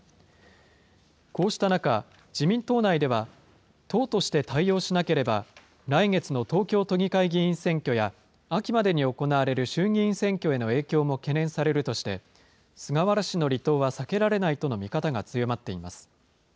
こうした中、自民党内では、党として対応しなければ、来月の東京都議会議員選挙や、秋までに行われる衆議院選挙への影響も懸念されるとして、菅原氏の離党は避けられないとの見方が強まっています。